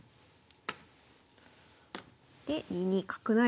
で２二角成。